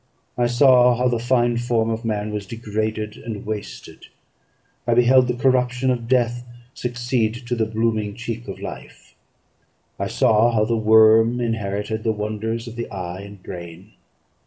I saw how the fine form of man was degraded and wasted; I beheld the corruption of death succeed to the blooming cheek of life; I saw how the worm inherited the wonders of the eye and brain.